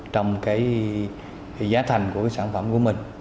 trong cái giá thành của cái sản phẩm của mình